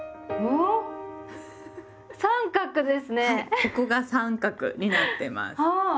ここが三角になってます。